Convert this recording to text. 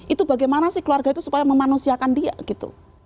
itu bagaimana sih keluarga itu supaya memanusiakan dia gitu